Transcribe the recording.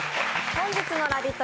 本日のラヴィット！